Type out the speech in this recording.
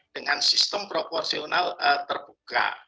dengan sistem proporsional terbuka